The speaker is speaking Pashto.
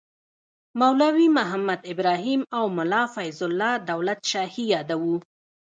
مولوي محمد ابراهیم او ملا فیض الله دولت شاهي یادوو.